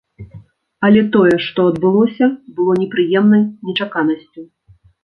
Але тое, што адбылося, было непрыемнай нечаканасцю.